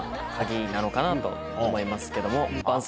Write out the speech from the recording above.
なのかなと思いますけども。